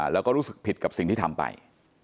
แล้วก็รู้สึกผิดกับสิ่งที่ทำไป